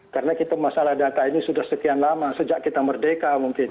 karena kita masalah data ini sudah sekian lama sejak kita merdeka mungkin